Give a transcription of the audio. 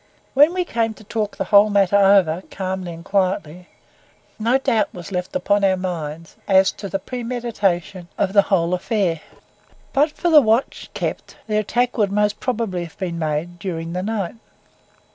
When we came to talk the whole matter over calmly and quietly, no doubt was left upon our minds, as to the premeditation of the whole affair. But for the watch kept, the attack would most probably have been made during the night.